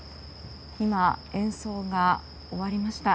演奏が終わりました。